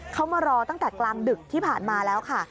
เขามารอตั้งแต่กลางดึกที่ผ่านมาแล้วค่ะ